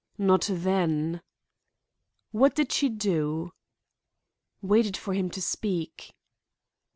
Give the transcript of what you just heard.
"Not then." "What did she do?" "Waited for him to speak."